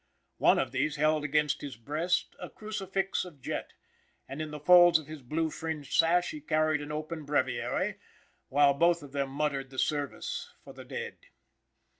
One of these held against his breast a crucifix of jet, and in the folds of his blue fringed sash he carried an open breviary, while both of them muttered the service for the dead.